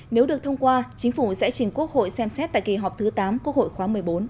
nếu được thông qua chính phủ sẽ trình quốc hội xem xét tại kỳ họp thứ tám quốc hội khóa một mươi bốn